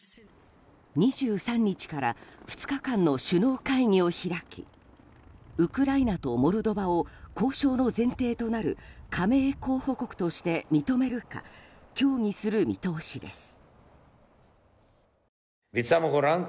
２３日から２日間の首脳会議を開きウクライナとモルドバを交渉の前提となる加盟候補国として認めるか協議する見通しです。